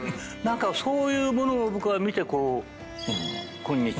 そういうものを僕は見てこう今日まで。